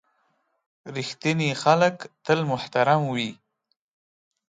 • رښتیني خلک تل محترم وي.